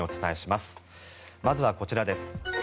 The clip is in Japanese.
まずは、こちらです。